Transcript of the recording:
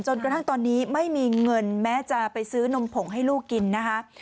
กระทั่งตอนนี้ไม่มีเงินแม้จะไปซื้อนมผงให้ลูกกินนะคะ